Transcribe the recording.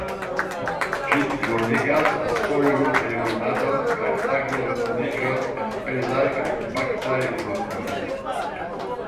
Ĝi plibonigas la sojlo-aerumadon kaj akvo-reteniĝon en pezaj kaj kompaktaj grundoj.